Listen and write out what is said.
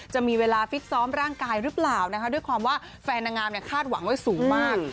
จะมีเวลาฟิตซ้อมร่างกายหรือเปล่านะคะด้วยความว่าแฟนนางงามคาดหวังไว้สูงมาก